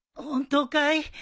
本当かい？